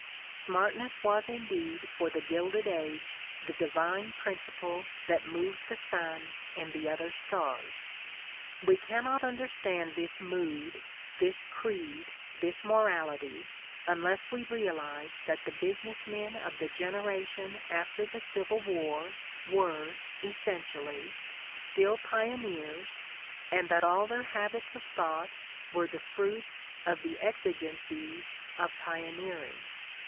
" Smartness was indeed, for the Gilded Age, the divine principle that moved the sun and the other stars. "We cannot understand this mood, this creed, this morality unless we realize that the business men of the generation after the Civil "War were, essentially, still pioneers and that all their habits of thought were the fruits of the exigencies of pioneering.